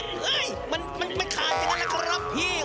อ๊ายมันมันไม่คาดอย่างนั้นล่ะครับพี่